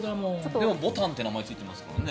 でもボタンって名前ついてますからね。